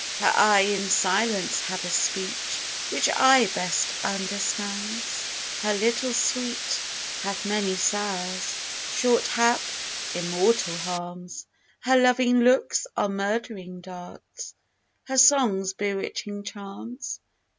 Her eye in silence hath a speech Which eye best understands. Her little sweet hath many sours, Short hap, immortal harms; Her loving looks are murdering darts, Her songs bewitching charms.